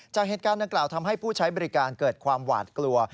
จากเหตุการณ์ดังกล่าวทำให้ผู้ใช้บริการเกิดความหวาดกลัว